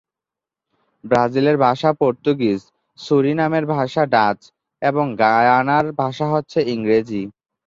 ব্রাজিলের ভাষা পর্তুগিজ, সুরিনামের ভাষা ডাচ এবং গায়ানার ভাষা হচ্ছে ইংরেজি।